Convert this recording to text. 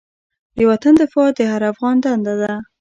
د وطن دفاع د هر افغان دنده ده.